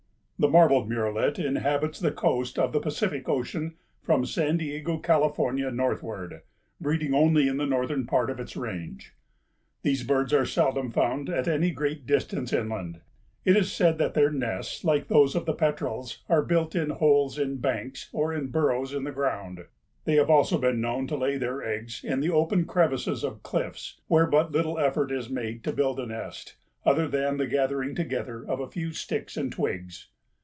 The Marbled Murrelet inhabits the coast of the Pacific ocean from San Diego, California, northward, breeding only in the northern part of its range. These birds are seldom found at any great distance inland. It is said that their nests, like those of the petrels, are built in holes in banks or in burrows in the ground. They have also been known to lay their eggs in the open crevices of cliffs where but little effort is made to build a nest other than the gathering together of a few sticks and twigs.